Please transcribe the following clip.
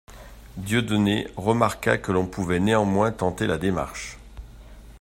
Dieudonné remarqua que l'on pouvait néanmoins tenter la démarche.